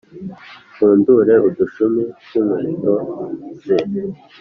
mpfundure udushumi tw inkweto ze